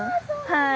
はい。